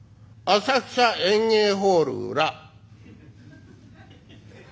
『浅草演芸ホール裏』」。